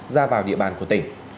ra vào địa bàn của tỉnh